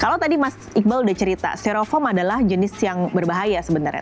kalau tadi mas iqbal sudah cerita steroform adalah jenis yang berbahaya sebenarnya